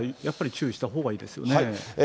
やっぱり注意したほうがいいですよね。